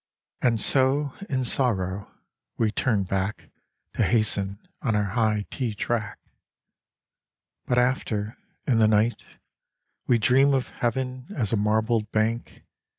And so, in sorrow, we turn back To hasten on our high tea track. But after, in the night, we dream Of Heaven as a marbled bank.